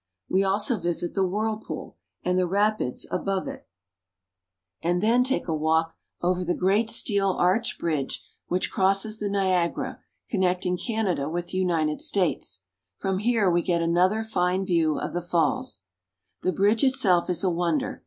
We also visit the whirlpool, and the rapids above it; and CARP. N. AM. — 13 200 THE GREAT LAKES. Maid of the Mist. then take a walk over the great steel arch bridge which crosses the Niagara, connecting Canada with the United States. From here we get an other fine view of the falls. The bridge it self is a wonder.